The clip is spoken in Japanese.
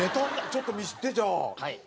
ちょっと見せてじゃあ。